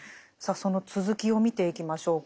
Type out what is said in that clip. その続きを見ていきましょうか。